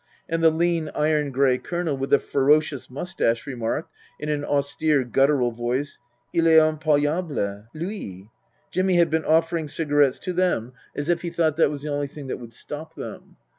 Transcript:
And the lean, iron grey Colonel with the ferocious moustache remarked in an austere, guttural voice, "// est impayable lui I " Jimmy had been offering cigarettes to them as if he Book III : His Book 297 thought that was the only thing that would stop them.